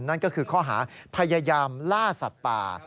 นั่นก็คือข้อหาพยายามล่าสัตว์ป่า